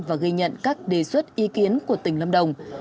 và ghi nhận các đề xuất ý kiến của tỉnh lâm đồng